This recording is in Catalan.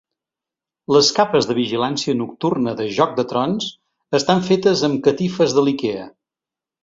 Les capes de vigilància nocturna de Joc de Trons estan fetes amb catifes de l'Ikea.